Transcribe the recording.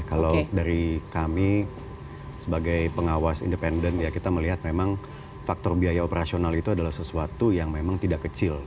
kalau dari kami sebagai pengawas independen ya kita melihat memang faktor biaya operasional itu adalah sesuatu yang memang tidak kecil